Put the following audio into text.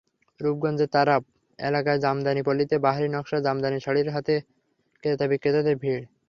রূপগঞ্জের তারাব এলাকায় জামদানি পল্লিতে বাহারি নকশার জামদানি শাড়ির হাটে ক্রেতা-বিক্রেতাদের ভিড়।